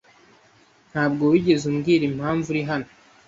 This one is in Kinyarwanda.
Ntabwo wigeze umbwira impamvu uri hano.